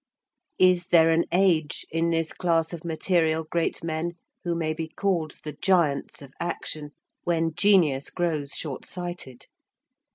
Is there an age, in this class of material great men, who may be called the giants of action, when genius grows short sighted?